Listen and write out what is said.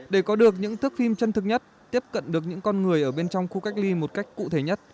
để có được những thức phim chân thực nhất tiếp cận được những con người ở bên trong khu cách ly một cách cụ thể nhất